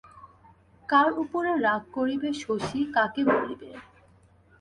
কার উপরে রাগ করিবে শশী, কাকে বলিবে?